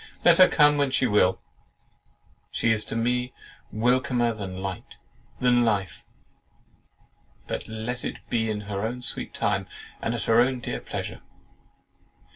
Let her come when she will, she is to me welcomer than light, than life; but let it be in her own sweet time, and at her own dear pleasure."